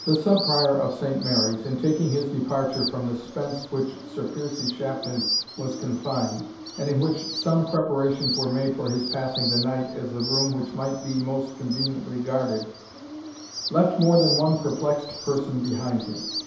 The Sub Prior of Saint Mary's, in taking his departure from the spence which Sir Piercie Shafton was confined, and in which some preparations were made for his passing the night as the room which might be most conveniently guarded, left more than one perplexed person behind him.